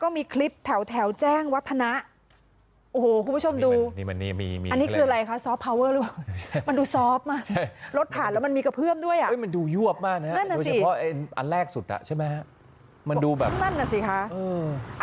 มันดูยวบมากนะครับโดยเฉพาะอันแรกสุดใช่ไหมครับมันดูแบบนั่นนะสิค่ะ